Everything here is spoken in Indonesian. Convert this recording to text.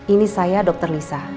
ini saya dokter lisa